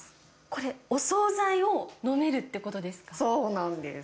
これ、お総菜を飲めるってこそうなんです。